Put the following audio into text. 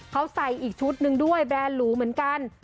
เขาใส่อีกชุดหนึ่งด้วยแบรนด์หรูเหมือนกัน